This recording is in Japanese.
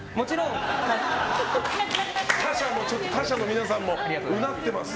他社の皆さんもうなってます。